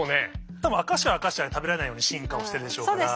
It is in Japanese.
たぶんアカシアはアカシアで食べられないように進化をしてるでしょうから。